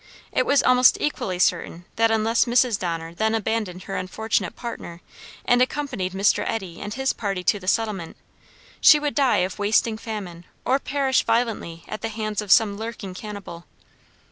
It was almost equally certain that unless Mrs. Donner then abandoned her unfortunate partner and accompanied Mr. Eddy and his party to the settlement, she would die of wasting famine or perish violently at the hands of some lurking cannibal.